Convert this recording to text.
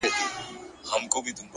پوهه د محدودیتونو کړکۍ ماتوي!